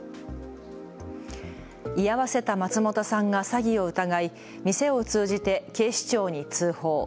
居合わせた松本さんが詐欺を疑い店を通じて警視庁に通報。